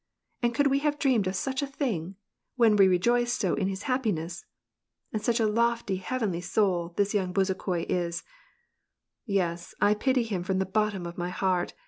And could we have dreamed of such a thing, when we rejoiced so in his happi ness ! And such a lofty, heavenly soul this young Bezukho is ! Yes, I pity him from the bottom of my heart